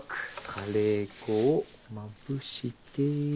カレー粉をまぶして。